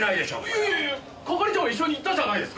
いやいやいや係長も一緒に行ったじゃないですか！